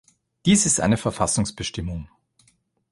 Dies ist eine Verfassungsbestimmung.